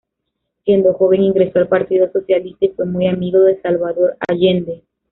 Siendo joven ingresó al Partido Socialista y fue muy amigo de Salvador Allende.